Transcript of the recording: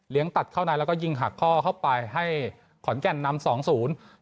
ตัดเข้าในแล้วก็ยิงหักข้อเข้าไปให้ขอนแก่นนำสองศูนย์